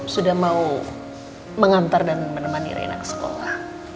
sudah mau mengantar dan menemani rena ke sekolah